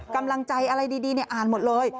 กำลังใจอะไรดีอ่านหมดเลย